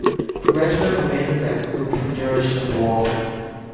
The regiment remained in Mexico for the duration of the war.